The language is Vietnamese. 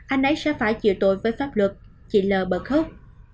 anh ấy sẽ phải chịu tội với pháp luật chị l bật khốc